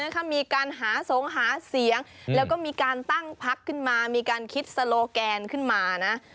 ทำอะไรไม่ปรึกษา